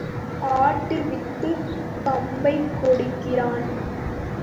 ஆட்டுவித்துப் பம்பை கொட்டுகிறான்.